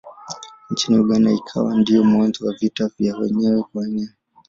Nchini Uganda ikawa ndiyo mwanzo wa vita vya wenyewe kwa wenyewe.